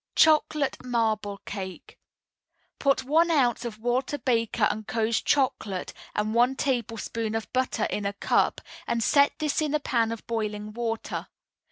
CHOCOLATE MARBLE CAKE Put one ounce of Walter Baker & Co.'s Chocolate and one tablespoonful of butter in a cup, and set this in a pan of boiling water.